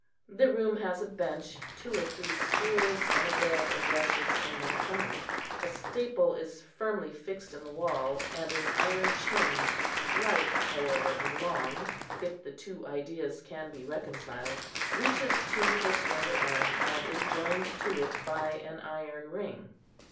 The room has a bench, two or three stools, and a bed of rushes in one corner. A staple is firmly fixed in the wall; and an iron chain, light, however, and long, if the two ideas can be reconciled, reaches to her slender arm, and is joined to it by an iron ring.